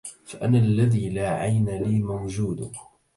فأنا الذي لا عين لي موجود